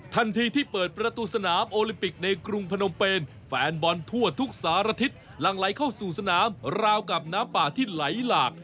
ทันทีที่เปิดประตูสนามโอลิมปิกในกรุงพนมเป็นแฟนบอลทั่วทุกสารทิศลังไหลเข้าสู่สนามราวกับน้ำป่าที่ไหลหลาก